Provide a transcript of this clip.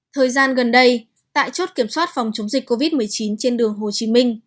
thời gian gần đây tại chốt kiểm soát phòng chống dịch covid một mươi chín trên đường hồ chí minh